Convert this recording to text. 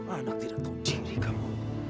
anak tidak tahu diri kamu